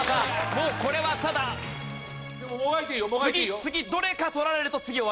もうこれはただ次どれか取られると次終わりです。